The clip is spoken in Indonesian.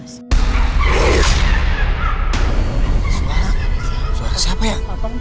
suara suara siapa ya